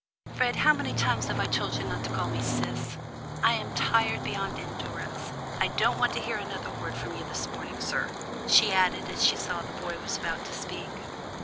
"Fred, how many times have I told you not to call me 'Sis?' I am tired beyond endurance. I don't want to hear another word from you this morning, sir," she added as she saw the boy was about to speak.